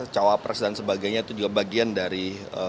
cawapres dan sebagainya itu juga bagian dari